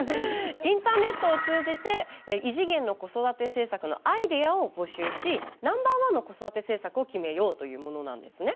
インターネットを通じて異次元の子育て政策のアイデアを募集しナンバーワンの子育て政策を決めようというものなんですね。